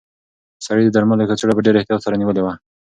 سړي د درملو کڅوړه په ډېر احتیاط سره نیولې وه.